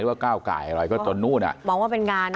หรือว่าก้าวไก่อะไรก็ตรงนู้นอ่ะมองว่าเป็นงานนะ